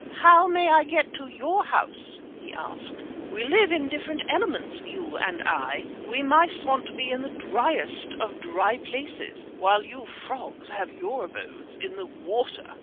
"How may I get to your house?" he asked. "We live in different elements, you and I. We mice want to be in the driest of dry places, while you frogs have your abodes in the water."